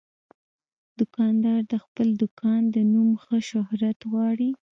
دوکاندار د خپل دوکان د نوم ښه شهرت غواړي.